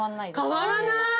変わらない！